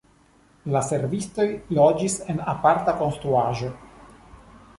La servistoj loĝis en aparta konstruaĵo.